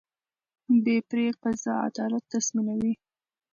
بې پرې قضا عدالت تضمینوي